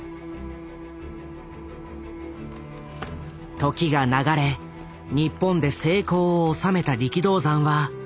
時が流れ日本で成功を収めた力道山はある人物と出会う。